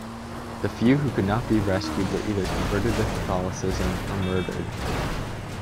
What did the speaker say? The few who could not be rescued were either converted to Catholicism or murdered.